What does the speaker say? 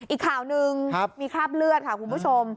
อีกข่าวหนึ่งมีคราบเลือดค่ะคุณผู้ชม